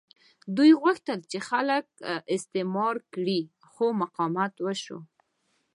دوی غوښتل چې خلک استثمار کړي خو مقاومت وشو.